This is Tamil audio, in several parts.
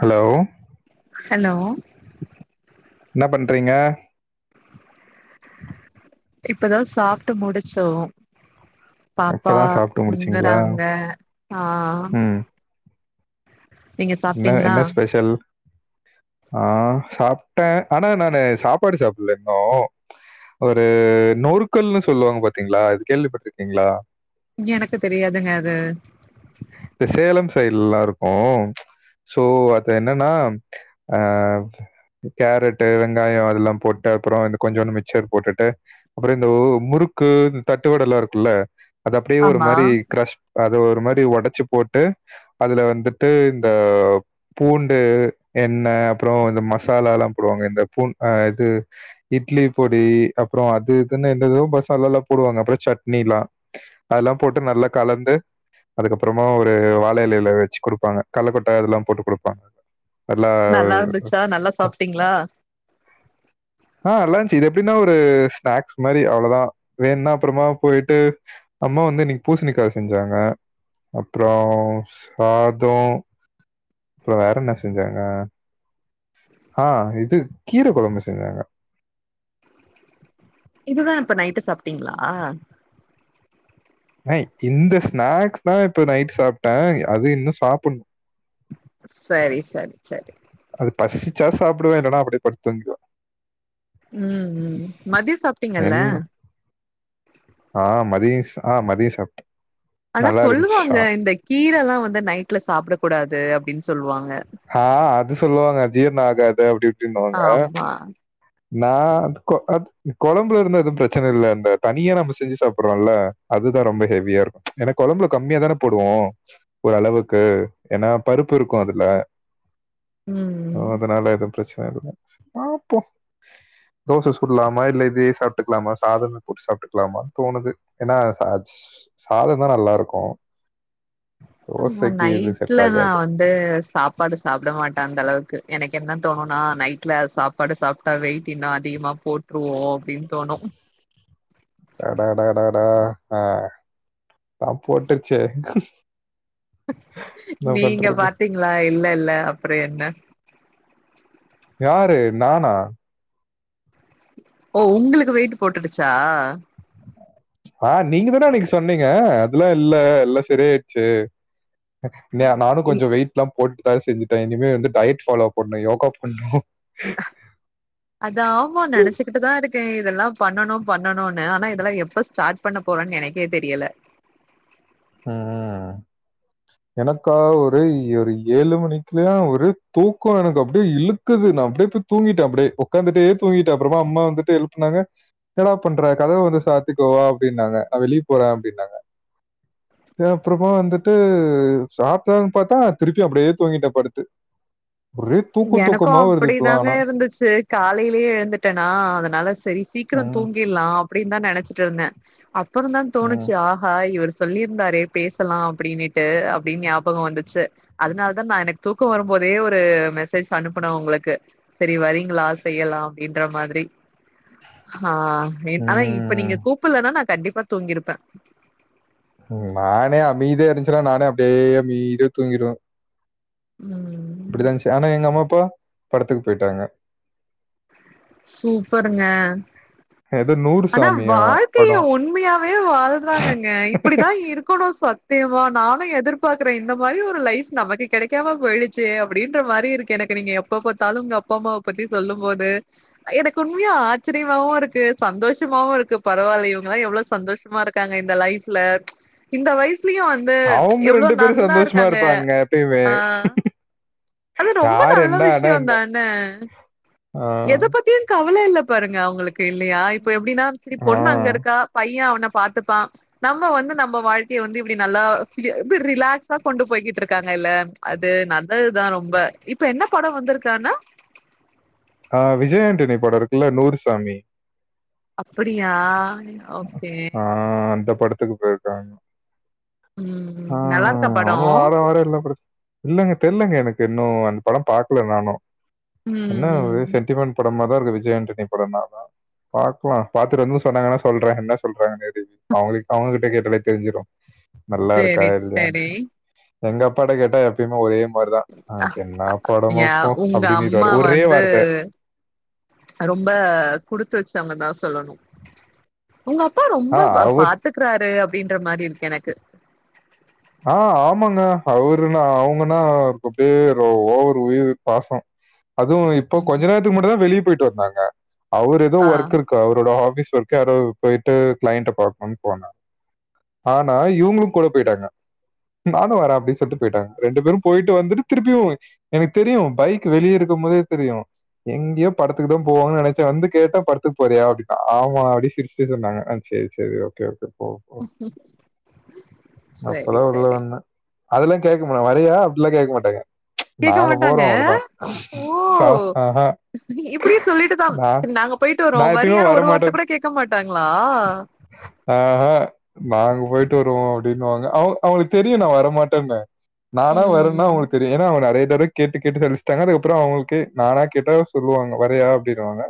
ஹலோ ஹலோ என்ன பண்றீங்க இப்பதா சாப்ட்டு முடிச்சோ பாப்பா இப்பதான் சாப்பிட்டு முடிச்சீங்களா? துங்குறாங்க ஆ ம். நீங்க என்ன சாப்ட்டீங்ளா என்ன ஸ்பெஷல் ஆ சாப்ட்ட ஆனா நானு சாப்பாடு சாப்டல இன்னும் ஒரு நொறுக்கல்ன்னு சொல்லுவாங்க பாத்தீங்களா இது கேள்விப்பட்ருக்கீங்களா இங்க எனக்கு தெரியாதுங்க அது இந்த சேலம் சைட்லல்லா இருக்கும் சோ அது என்னன்னா ஆ கேரட்டு வெங்காயம் அதெல்லா போட்டு அப்புறோ இந்த கொஞ்சோன்னு மிச்சர் போட்டுட்டு அப்றோ இந்த முறுக்கு இந்த தட்டுவடல்லா இருக்குல்ல அத அப்டியே ஒரு ஆமா மாரி கிரஷ் அத ஒரு மாரி ஒடச்சி போட்டு அதுல வந்துட்டு இந்தப் பூண்டு எண்ண அப்றோ இந்த மசாலால்லா போடுவாங்க இந்த பூ அ இது இட்லி பொடி அப்றோ அது இதுன்னு என்ந்ததோ மசாலால்லா போடுவாங்க அப்றோ சட்னில்லா அதுல்லா போட்டு நல்லா கலந்து அப்றோமா ஒரு வாழ இலையில வச்சு கொடுப்பாங்க கல்லக்கொட்ட இதெல்லா போட்டு குடுப்பா அதுல்லா நல்லா இருந்துச்சா நல்லா கொடுப்பாங்க சாப்ட்டீங்ளா ஆ அதுலாஞ் சேரி எப்டின்னா ஒரு ஸ்நாக்ஸ் மாரி அவ்ளோதா வேண்னா அப்றோமா போயிட்டு அம்மா வந்து இன்னைக்கு பூசணிக்கா செஞ்சாங்க அப்றோ சாதம் அப்றோ வேற என்ன செஞ்சாங்க ஆ இது கீர கொழம்பு செஞ்சாங்க இதுதா இப்ப நைட்டு சாப்டீங்களா நா இந்த ஸ்நாக்ஸ் தா இப்ப நைட்டு சாப்ட்ட அது இன்னு சாப்ன்னு சரி சரி சேரி அது பசிச்சா சாப்டுவ இல்லனா அப்டியே படுத்து தூங்கிருவ ம் ம் மதியம் சாப்டீங்கல்ல என்ன ஆ மதியஸ் ஆ மதிய சாப்ட்டே ஆனா சொல்லுவாங்க இந்த கீரலா வந்து நைட்ல சாப்டக் கூடாது அப்டின் சொல்வாங்க ஆ அது சொல்லுவாங்க ஜீர்ண ஆகாது அப்டி இப்டின் வாங்க ஆமா நா கொ அத் கொழம்புல இருந்தா எதுவு பிரச்சன இல்ல அந்த தனியா நம்ம செஞ்சு சாப்பிட்றோல்ல அதுதா ரொம்ப ஹெவியா இருக்கு ஏனா கொழம்புல கம்மியா தான போடுவோ ஒரளவுக்கு ஏனா பருப்பு இருக்கு அதுல ம் சோ அதனால எதுவு பிரச்சன இல்ல தோச சுட்லாமா இல்ல இதையே சாப்ட்டுக்கலாம சாதமே போட்டு சாப்ட்டுக்கலாமான் தோணுது ஏனா சாச் சாதந்தா நல்லாருக்கு ஆமா நைட்ல நா ஆகாது. வந் து சாப்பாடு சாப்ட மாட்ட அந்த அளவுக்கு எனக்கு என்ன தோணுனா நைட்ல சாப் ப்பாடு சாப்ட்டா வெயிட் இன்னு அதிகமா போட்ருவோ அப்டின் தோணு அடாடாடாடா ஆ ஆ போட்டுச்சே நீங்க பாத்தீங்ளா இல்லல்ல அப்ற என்ன யாரு நானா ஓ உங்களுக்கு வெயிட் போட்டுடுச்சா ஆ நீங்க தான அன்னக்கி சொன்னீங்க அதுலா இல்ல எல்லா செரி ஆயிடுச்சு இல்லயா நானு கொஞ்ச இ- வெயிட்லா போட்டுதா செஞ்சுட்டே இனிமே வந்து டையட் ஃபாலோ பண்ணு யோகா பண்ணு பண்ணு அத ஆமா நெனச்சுகிட்டுதா இருக் கே இதெல்லா பண்ணணு பண்ணணுனு ஆனா இதெல்லா எப்ப ஸ்டார்ட் பண்ண போறேன் எனக்கே தெரியல ம் ம் எனக்கா ஒரே ஒரு ஏழு மணிக்குலா ஒரு தூக்கோ எனக்கு அப்டியே இழுக் க்குது நா அப்டியே போய் தூங்கிட்டே அப்டியே ஒக்காந்துட்டே தூங்கிட்டே அப்றமா அம்மா வந்துட்டு எழுப்புனாங்க என்னடா பண்ற கதவ வந்து சாத்திக்கோ வா அப்டின்னாங்க நா வெளிய போறே அப்டின்னாங்க எ அப்றோ வந்துட்டு சாப்ட்லான்னு பாத்தா திருப்பி அப்டியே தூங்கிட்டே படுத்து ஒரே தூக்க எனக்கு தூக்கமா வருது இப்பலா அப்படிதாங்க ஆனா இருந்துச்சு காலைலயே எழுந்துட்டனா அதனால செரி சீக்கிர ம். தூங்கிற்லா அப்டின் தா நெனச்சிட்டு இருந்தே அப்பறந்தா ம். தோணுச்சு ஆ ஹா இவரு சொல்லியிருந்தாரே பேசலா அப்டின்னுட்டு அப்டின் ஞாபக வந்துச்சு அதுனால தா நா எனக்கு தூக்க வரும்போதே ஒரு மெஸ் சேஜ் அனுப்புனே உங்ளுக்கு செரி வரீங்களா செய்யலா அப்டின்ற மாதிரி ஹா இப் ஆனா இப்ப ம். நீங்க கூப்புட்லனா நா கண்டிப்பா தூங்கிருப்பே நானே அமைதியா இருந்துச்சுனா நானே அப்டியே அமைதியா தூங்கிருவே ம் இப்டிதா இந்ச்சு ஆனா எங்க அம்மா அப்பா படத்துக்கு போய்டாங்க சூப்பருங்க எது நூற் ஆனா வாழ்க்கைய உண்மையாவே வாழ்றாங்கங்க இப்டிதா இருக்கணு சத் த்தியமா நானு எதிர்பாக்குறே இந்த மாரி ஒரு லைஃப் நமக்கு கெடைக்காம போயிடுச்சே அப்டின்ற மாரி இருக்கு எனக்கு நீங்க எப் எப்ப பாத்தாலு உங்க அப்பா அம்மாவ பத்தி சொல்லும் போது எனக்கு உண்மைய ஆச்சரியமாவு இருக்கு சந்தோஷ் மாவு இருக்கு பரவால்ல இவுங்களா எவ்ளோ சந்தோஷமா இருக்காங்க இந்த லைஃப்ல இந்த வயசுலயு வந் ந்து அவங்க எவ்ளோ பேரும் நல்லா சந்தோஷமா இருக்காங்க இருப்பாங்க எப்பயுமே. ஆ அது ரொம்ப யார் நல்ல என்ன ஆனா விஷ்யோந் என்ன? தான ஆ, எத பத்தியு கவல இல்ல பாருங்க அவுங்களுக்கு இல்லையா இப்ப எப்டின்னா சரி ஆ, பொண்ணு அங்க இருக்கா பய்யே அவன பாத்துப்பா நம்ம வந்து நம்ம வாழ்க்கைய வந்து இப்டி நல்லா ஃபி ரிலாக்ஸா கொண்டு போய்கிட்டு இருக்காங்க இல்ல அது நல்லதுதா ரொம்ப இப்ப என்ன படோ வந்திருக்கு ஆனா ஆ விஜய் ஆண்டனி படோ இருக்குல்ல நூறுசாமி அப்புடியா ஓகே ஆ அந்த படத்துக்கு போயிருக்காங் ம் ஆ நல்லா இருக்கா படோ அவுங்க வார வாரோ எல்லா படத் இல்லங்க தெர்லங்க எனக்கு இன்னு அந் படோ பாக்ல நானு ம் என்ன ம் ஒரே சென்டிமெண்ட் படமா தா இருக்கு விஜய் ஆண்டனி படம்னாதா பாப்போ பாத்துட்டு வந்து சொன்னாங்கன்னா சொல்றே என்ன சொல்றாங்க மேபி அவுங்களுக்கு அவுங்ககிட்ட கேட்டால தெரிஞ்சுடு நல்லா இருக்கா சேரி இல்லயான் சேரி எங்க அப்பாட்ட கேட்டா எப்புமே ஒரே மாரிதா ஆ என்னா யா படமோப்போ உங்க அம்மா அப்டின்னுருவாரு ஒரே வந்து வார்த்த ரொம்ப குடுத்து வச்சவங்க தா சொல்லணு உங்க அப்பா ஆ ரொம்ப அவர் பாத்துக்றாரு அப்டின்ற மாரி இருக்கு எனக்கு ஆ ஆமாங்க அவருனா அவுங்கன்னா அப்டியே ஓவரு உயிரு பாசோ அதுவு இப்ப ம் கொஞ்ச நேரத்துக்கு முன்னாடி தா வெளியே போயிட்டு வந்தாங்க அவரு ஏதோ ஆ ஒர்க் இருக்கு அவரோட ஆஃபீஸ் ஒர்க் யாரோ போயிட்டு கிளைண்ட பாக்கணும்னு போனா ஆனா இவுங்களு கூட போயிட்டாங்க நானு வரே அப்டின்னு சொல்ட்டு போயிட்டாங்க ரெண்டு பேரு போயிட்டு வந்துட்டு திருப்பியு எனக்கு தெரியு பைக் வெளிய இருக்கு போதே தெரியு எங்கயோ படத்துக்கு தா போவாங்க நெனச்சே வந்து கேட்டா படத்துக்கு போறியா அப்டின்னா ஆமா அப்டி சிரிச்சு ட்டே சொன்னாங்க ஆ சேரி சேரி ஓகே ஓகே போ போ. ம் அப்பதா ஊர்லந்து வந்தே அதெல்லா கேக்க மாட்டாங் வரியா அப்டில்லா கேக்க மாட்டாங்க கேக்க நாங்க மாட்டாங்க போறோ அவ்ளோதா ஓ சாப் ஆஹ இப்டியே சொல்லிட்டு தா நாங்க போயிட்டு வரோ நான் எப்பயுமே வரியானு ஒரு வார்த்த வரமாட்டேன். கூட கேக்க மாட்டாங்களா ஆஹ நாங்க போயிட்டு வருவோ அப்படின்னுவாங்க அவ ங்களுக்கு தெரியு நா வரமாட்டேன்னு நானா வரேன்னா ம் அவுங்களுக்கு தெரியு ஏன்னா அவுங்க நெறய தடவ கேட்டு கேட்டு சலிச்சுட்டாங்க அதுக்கப்றோ அவுங்களுக்கு நானா கேட்டா சொல்லுவாங்க வரியா அப்டின்னுவாங்க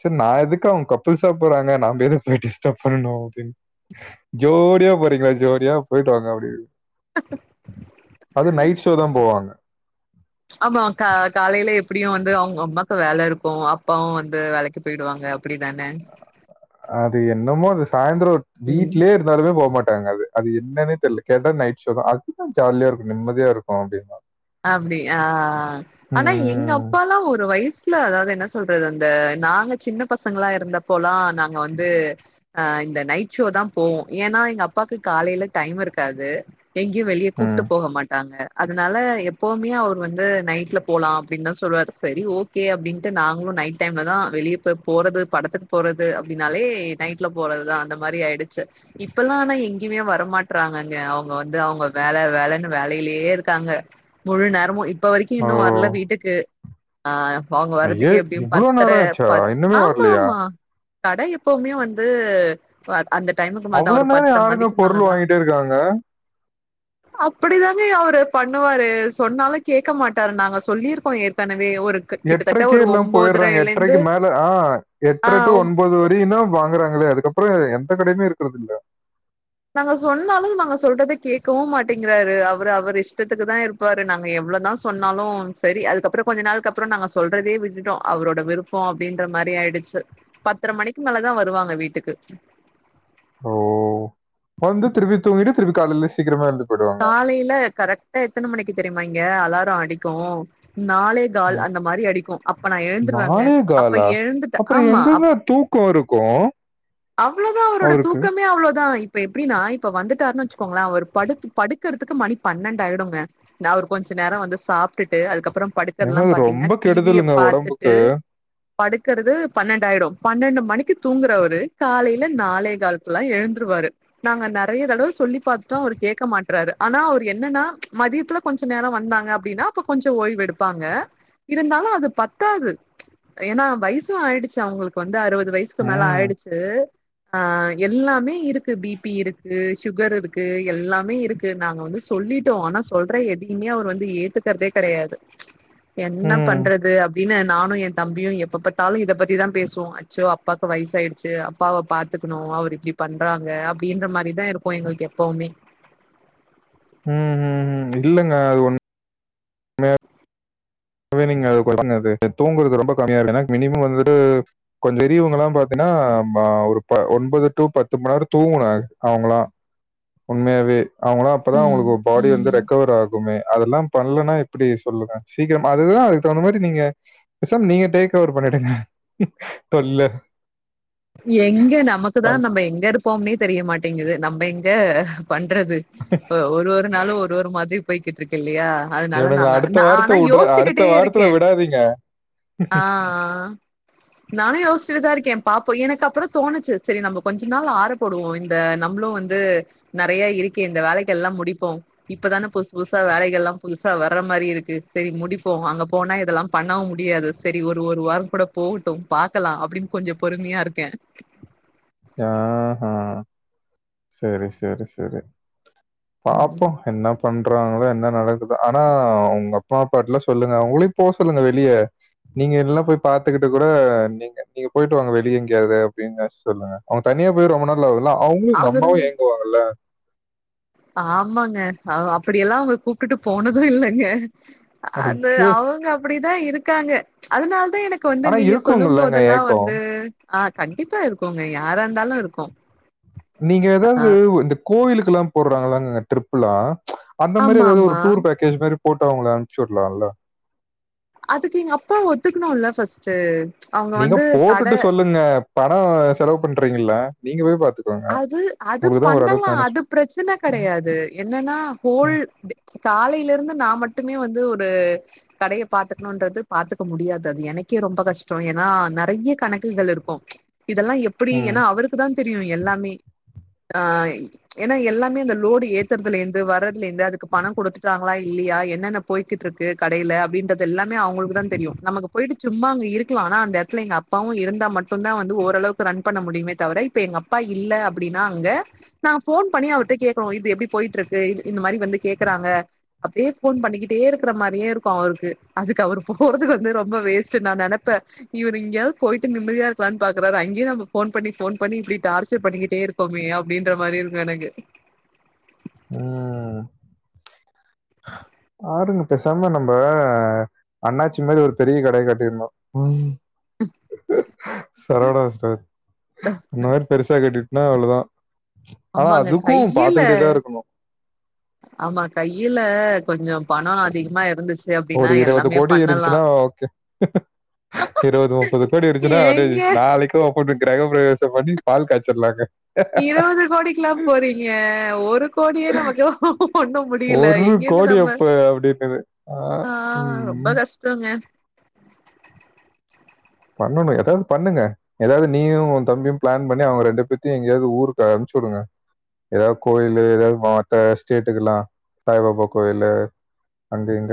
செரி நா எதுக்கு அவுங்க கப்புல்ஸா போறாங்க நாம்ப எதுக்கு போய் டிஸ்டர்ப் பண்ணனு அப்டின்னு ஜோடியா போறீங்ளா ஜோடியா போயிட்டு வாங்க அப் அது நைட் ஷோ தா போவாங்க ஆமா கா காலைல எப்டியு வந்து அவுங்க அம்மாக்கு வேல இருக்கு அப்பாவு வந்து வேலைக்கு போயிடுவாங்க அப்டி தானே அது என்னமோ அது சாய்ந்ரோ ம் வீட்லயே இருந்தாலுமே போ மாட்டாங்க அது அது என்னன்னே தெர்ல கேட்டா நைட் ஷோ தா அதுதா ஜாலியா இருக்கு நிம்மதியா இருக்கு அப்டின்வாங்க அப்டி ஆ ஆ ஆனா எங்க ம். அப்பால்லா ஒரு வயச் ல அதாவது என்ன சொல்றது அந்த நாங்க சின்ன பசங்களா இருந்தப்போலா நாங்க வந்து அ இந்த நைட் ஷோ தான போவோ ஏன்னா எங்க அப்பாக்கு காலைல டைம் இருக்காது எங்கேயு வெளியே கூப்ட்டு ம். போக மாட்டாங்க அதனால எப் போவுமே அவர் வந்து நைட்ல போலா அப்டின் தா சொல்லுவாரு சரி ஓகே அப்டின்ட்டு நாங்களு நைட் டைம்ல தா வெளிய இப்ப போறது படத்துக்கு போறது அப்டின்னாலே நைட்ல போறதுதா அந்த மாரி ஆயிடுச்சு இப்பல்லா ஆனா எங்கேயுமே வரமாட்றாங்கங்க அவுங்க வந்து அவுங்க வேல வேலன்னு வேலையிலயே இருக்காங்க முழு நேரமு இப்ப வரைக்கு ஓ! இன்னு வர்ல வீட்டுக்கு ஆ அவுங்க ஐய! வர்றதுக்கே எப்டியு இவ்ளோ பத்தர நேரம் ஆச்சா? பத் இன்னுமே ஆமா வரலையா? ஆமா கடை எப்பவுமே வந்து அ அந்த டைமுக்கு மேலதா அவ்ளோ ஒரு நேரம் பத்திர யாருங்க மணிக்கு பொருள் மேலதா வாங்கிட்டே இருக்காங்க? அப்டிதாங்க அவரு பண்ணுவாரு சொன்னாலு கேட்க மாட்டாரு நாங்க சொல்லிருக்கோ ஏற்கனவே ஒரு க- கிட்டத்தட்ட எட்றைக்கே ஒரு எல்லா போயிடுறாங்க ஒம்போதரைல இருந்து எட்ரைக்கு மேல ஆ ஆ எட்ரை டு ஒன்பது வ ரைனா வாங்கறாங்களே அதுக்கப்புற எந்த கடையுமே இருக்குறதில்ல நாங்க சொன்னாலு நாங்க சொல்றத கேக்கவு மாட்டேங்றாரு அவரு அவர் இஷ்டத்துக்கு தா இருப் பாரு நாங்க எவ்ளோதா சொன்னாலு சேரி அதுக்கப்ற கொஞ்ச நாள்கப்பறோ நாம சொல்றதயே விட்டுட்டோ அவரோட விருப் போ அப்டின்ற மாரி ஆயிடுச்சு பத்தர மணிக்கு மேலதா வருவாங்க வீட்டுக்கு ஓ வந்து திருப்பி தூங்கிட்டு திருப்பி காலைல சீக்ரமா எந்திர் காலைல கரெக்டா எத்தன மணிக்கு தெரியுமா இங்க அலாரோ அடிக்கு நாலே கால் ம். அந்த மாரி அடிக்கு அப்ப நா எழுந்துருவங்க அப்ப எழுந்துட்ட ஆமா அப் கோருக்கு அவ்ளோதா அவரோட தூக்கமே அவ்ளோதா இப்ப எப்டினா இப்ப வந்துட்டார்னு வச்சுக்கோங்கள அவர் படுத்து படுக்கறதுக்கு மணி பன்னண்டு ஆய்டுங்க நா ஒரு கொஞ்ச நேரோ வந்து சாப்டுட்டு அதுக்கப்றோ ஏங்க படுக்கற்ல்லா அது பாத்தீங்னா ரொம்ப டி வி ய கெடுதலுங்க பாத்துட்டு உடம்புக்கு. படுக்கறது பன்னண்டு ஆயிடு பன்னண்டு மணிக்கு தூங்குறவரு காலைல நாலே கால்கல்லா எழுந்துருவாரு நாங்க நெறய தடவ சொல்லி பாத்துட்டோ அவரு கேக்க மாட் றாரு ஆனா அவுரு என்னன்னா மதியத்துல கொஞ்ச நேரம் வந்தாங்க அப்டினா அப்ப கொஞ்சோ ஓய்வு எடுப்பாங்க இருந்தாலு அது பத்தாது ஏனா வய்சூ ஆய்டுச்சு அவுங்ளுக்கு வந்து அறுவது வய்சு க்கு மேல ம். ஆய்டுச்சு ஆ எல்லாமே இருக்கு பி பி இருக்கு சுகர் இருக்கு எல்லாமே இருக் கு நாங்க வந்து சொல்லிடோ ஆனா சொல்ற எதியுமே அவர் வந்து ஏத்துகற்தே கெடையாது என்னப் ம். பண்றது அப் டினு நானு எ தம்பியு எப்ப பாத்தாலு இத பத்திதா பேசுவோ அச்சோ அப்பாக்கு வய்சு ஆய்டுச்சு ப்பாவ பாத்துக்குணு அவர் இப்டி பண்றாங்க அப்டின்ற மாரிதா இருக்கு எங்ளுக்கு எப்பவுமே ம் ம் ம் இல்லங்க அ ஒன் மெ ப்பவே நீங்க அ போ பன்ங்க அது தூங்குறது ரொம்ப கம்மியா இருக்கு ஏனா மினிமம் வந்துட்டு கொஞ்ச பெரியவங்கலா பாத்தீனா ப ஒரு ப ஒன்பது டு பத்து மணி நேர தூங்கணு அவுங்களா உண்மையாவே அவுங்களா அப்பதா ம் அவுங்களுகு பாடி வந்து ம் ரெக்கவர் ஆகு போமே அதெல்லா பண்லனா எப்புடி சொல்லுங்க சீக்கிரம் அதுதா அதுக்கு தகுந்த மாதிரி நீங்க பேசாம் நீங்க டேக் ஒவர் பண்ணிடுங்க தொல்ல எங்க நமக்குதா நம்ப எங்க இருப்போம்னே தெரியமாட்டேங்குது நம்ப எங்க பண்றது ப ஒரு ஒரு நாளு ஒரு ஒரு மாதி போய்கிட்ருக்கில்லையா அதனால இவனுங்கள நாங்க அடுத்த நா வாரத்த ஆனா உட்ற அடுத்த யோஸ்ச்சுகிட்டே வாரத்துல இருக்கே விடாதீங்க. அ ஆ நானு யோஸ்சிடு தா இருக்கே பாப் பொய் எனக்கு அப்பதா தோணுச்சு சரி நம்ம கொஞ்ச நாள் ஆறபோடுவோ இந்த நம்ப்ளு வந்து நெறையா இருக்கி இந்த வேலைக்கெல்லா முடிப்போ இப்பதான புத்சு புதுசா வேலைகல்லா புதுசா வர்ற மாரி இருக்கு சேரி முடிப்போ அங்க போனா இதெல்லா பண்ணவு முடியாது சரி ஒரு ஒரு வாரம் கூட போவுட்டு பாக்கலா அப்டின் கொஞ்சோ பொறுமையா இருக்க ஆஹா சேரி சேரி சேரி பாப்போ ம் என்னப் பண்றாங்ளா என்ன நடக்குது ஆனா உங்க அப்பா அப்பாட்டு லா சொல்லுங்க அவுங்களையு போ சொல்லுங்க வெளிய நீங்க எல்லா போய் பாத்துகுட்டு கூட நீங்க நீங்க போய்ட்டு வாங்க வெளிய எங்யாது அப்டின்னாச்சு சொல்லுங்க அவங்க தனியா போய் ரொம்ப நாள் ஆகுல்ல அவுங்ளு உங்க அவரு அம்மாவு ஏங்குவாங்கல்ல ஆமாங்க ஆ அப்டியெல்லா அவுங் கூப்டுட்டு போனதும் இல்லங்க அது ஐயோ! அவுங்க அப்டிதா இருக்காங்க அதனால தா எனக் க்கு வந்து ஆனா நீங்க சொல்லும் இருக்குங்கல்லங்க போதெல்லா ஏக்கம். வந்து ஆ கண்டிப்பா இருக்குங்க யாரா இருந்தாலு இருக்கும் நீங்க ஏதாது இந்த கோவிலுக்கெல்லா போட்றாங்கங்கல ட்ரிப்புலா அந்த மாறி ஆமா ஏதாது ஒரு ஆமா டூர் பேக்கேஜ் மாறி போட்டு அவுங்கள அமிச்சி வுட்லால்லா அதுக்கு எங்க அப்பா ஒத்துக்குணுல்ல ஃபஸ்ட்டு நீங்க போட்டுட்டு சொல்லுங்க பணோ செலவு பண்றீங்கல்ல நீங்க போய் பாத்து அது அது பண்ணலா அது ப்ரச்சன கெடயாது என்னன்னா ஹோல் ம், வி காலைல இருந்து நா மட்டுமே வந்து ஒரு கடைய பாத்துக்னுன்றது பாத்துக்க முடியாது அது எனக்கே ரொம்ப கஷ்டொ ஏன்னா நெறைய கணக்குகள் இருக்கும் இதெல்லா எப்புடி ம், ஏன்னா அவருக்கு தான் தெரியு எல்லாமே ஆ ஏன்னா எல்லாமே அந்த லோடு ஏத்துறதுலேந்து வர்றதுலேந்து அதுக்கு பணம் குடுத்துட்டாங்ளா இல்லியா என்னன்ன போயிக்கிட்ருக்கு கடையில அப்டின்றதெல்லாமே அவுங்களுக்கு தான் தெரியு நமக்கு போயிட்டு சும்மா அங்க இருக்லா ஆனா அந்த எடத்ல எங்க அப்பாவு இருந்தா மட்டுந்தா வந்து ஓரளவுக்கு ரன் பண்ண முடியுமே தவர இப்ப எங்க அப்பா இ இல்ல அப்டின்னா அங்க நா ஃபோன் பண்ணி அவர்ட்ட கேக்னும் இது எப்டி போயிட்ருக்கு இது இந்த மாறி வந்து கேக்கறாங்க அப்படியே ஃபோன் பண்ணிக்கிட்டேருக்கிற மாறியேருக்கும் அவருக்கு அதுக்கு அவர் போறதுக்கு வந்து ரொம்ப வேஸ்ட்டு நா நெனப்ப இவர் இங்கயாது போயிட்டு நிம்மதியாருக்கலான் பாக்கறாரு அங்யு நம்ம ஃபோன் பண்ணி ஃபோன் பண்ணி இப்டி டார் ச்சர் பண்ணிக்கிட்டேருக்கோமோ அப்டின்ற மாறிருக் எனக்கு ஆ பாருங்க பெசாம நம்ப அண்ணாச்சி மாறி ஒரு பெரிய கடைய கட்டிடனும் சரவணா ஸ்டோர்ஸ் அந்த மாறி பெருசா கட்டி ன்ன அவ்ளதா ஆனா ஆமாங்க அதுக்கு கையில பாத்துகிட்டேதாருக்கு ஆமா கையில கொஞ்சம் பண அதிகமாருந்துச்சு ஒரு இறவது கோடி இருன்ச்சுன்னா ஓகே இருவது முப்பது கோடி இருன்ச்சுன்னா அப்டே ஏங்க நாளைக்கு ப்பே ஓப்பன் பண் கிரக பிரவேசம் பண்ணி பால் காய்ச்சர்லாங்க இறவது கோடிக்ல்லாம் போறீங்க ஒரு கோடியே நமக்கு ஒன்னும் முடியல ஒரு எங்கேந்து கோடி நம்ம அப்ப அப்படின்னு ஆ ரொம்ப கஷ்டங்க பண்ணணு எதாவது பண்ணுங்க எதாவது நீயு உந்தம்பியு ப்ளான் பண்ணி அவக ரெண்டு பேத்தையும் எங்கயாவது ஊருக்கு அனுப்பிச்சுடுங்க எதாவ கோயிலு எதாவது மாவட்ட ஸ்டேட்டுக்லா சாய்பாபா கோயிலு அங்கு இங்க